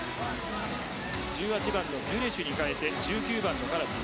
１８番のギュネシュに代えて１９番のカラチです。